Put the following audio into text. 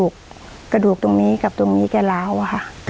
กระดูกตรงนี้กับตรงนี้ก็ล้าวอะค่ะ